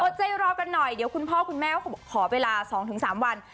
ใจรอกันหน่อยเดี๋ยวคุณพ่อคุณแม่ขอเวลา๒๓วัน